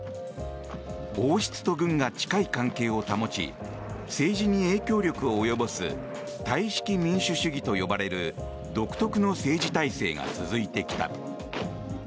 王室と軍が近い関係を保ち政治に影響力を及ぼすタイ式民主主義と呼ばれる独特の政治体制が続いてきた。